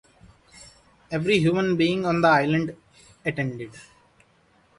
Every human being on the island attended.